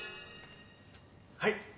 はい。